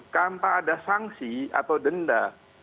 tanpa ada sanksi atau denda